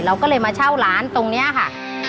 เราก็เลยมาเช่าร้านตรงนี้ค่ะ